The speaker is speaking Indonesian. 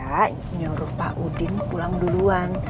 mama tuh sengaja nyuruh pak udin pulang duluan